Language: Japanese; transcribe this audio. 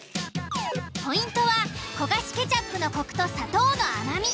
ポイントは焦がしケチャップのコクと砂糖の甘み。